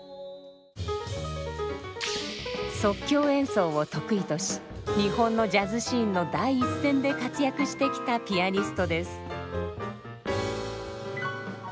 即興演奏を得意とし日本のジャズシーンの第一線で活躍してきたピアニストです。